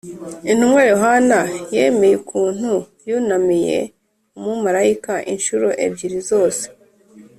Intumwa yohana yemeye ukuntu yunamiye umumarayika incuro ebyiri zose